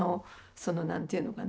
その何て言うのかな